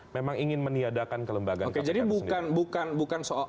memang ingin meniadakan kelembagaan kpk sendiri